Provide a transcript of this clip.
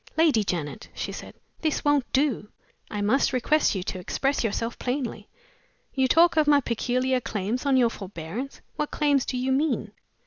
"Lady Janet!" she said; "this won't do. I must request you to express yourself plainly. You talk of my peculiar claims on your forbearance. What claims do you mean?"